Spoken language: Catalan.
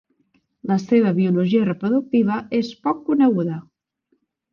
La seva biologia reproductiva és poc coneguda.